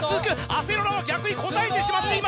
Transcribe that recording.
あせろらは逆に答えてしまっています。